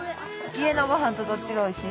家のごはんとどっちがおいしい？